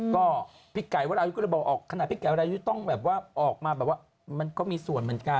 ก็พี่ไก่วรายุทธ์ก็เลยบอกออกขณะพี่ไก่รายุทธ์ต้องแบบว่าออกมาแบบว่ามันก็มีส่วนเหมือนกัน